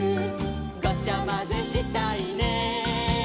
「ごちゃまぜしたいね」